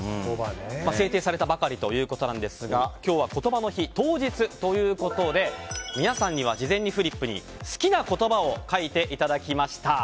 制定されたばかりということですが、今日はことばの日当日ということで皆さんには事前にフリップに好きな言葉を書いていただきました。